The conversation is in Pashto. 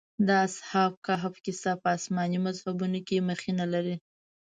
د اصحاب کهف کيسه په آسماني مذهبونو کې مخینه لري.